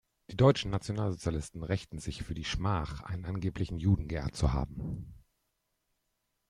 Die deutschen Nationalsozialisten rächten sich für die „Schmach“, einen angeblichen Juden geehrt zu haben.